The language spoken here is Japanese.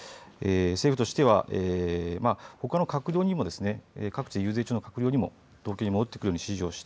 政府としてはほかの各地、遊説中の閣僚にも東京に戻ってくるように指示をし